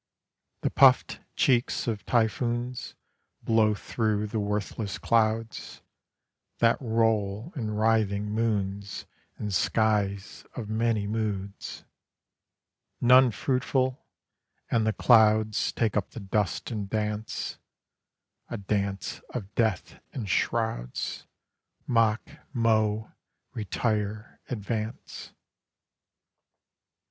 The puff'd cheeks of typhoons Blow thro' the worthless clouds That roll in writhing moons In skies of many moods, None fruitful; and the clouds Take up the dust and dance A dance of death and shrouds— Mock, mow, retire, advance.